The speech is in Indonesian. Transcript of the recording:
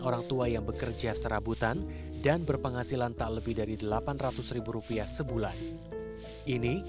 orang tua yang bekerja serabutan dan berpenghasilan tak lebih dari delapan ratus rupiah sebulan ini